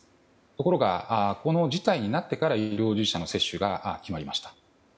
ところが、この事態になってから医療従事者の接種が決まりました。